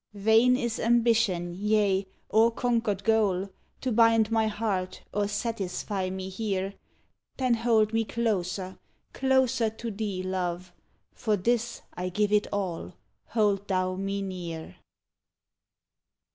Vain is ambition, yea, or conquered goal, To bind my heart or satisfy me here. Then hold me closer, closer to thee, Love; For this I give it all hold thou me near!